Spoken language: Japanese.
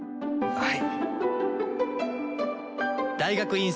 はい！